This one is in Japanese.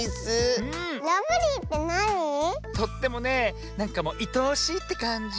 とってもねなんかもういとおしいってかんじ。